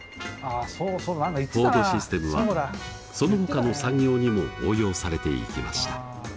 フォードシステムはそのほかの産業にも応用されていきました。